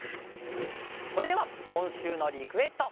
それではこんしゅうのリクエスト。